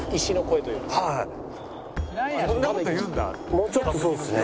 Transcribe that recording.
もうちょっとそうですね。